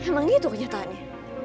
emang gitu kenyataannya